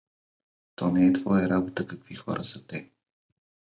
То не е твоя работа какви хора са те.